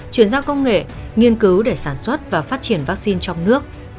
chuyển giao công nghệ nghiên cứu để sản xuất và phát triển vắc xin trong nước